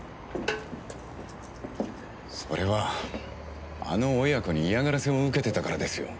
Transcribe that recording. それはあの親子に嫌がらせを受けてたからですよ。